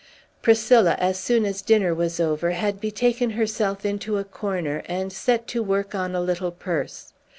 Priscilla, as soon as dinner was over, had betaken herself into a corner, and set to work on a little purse.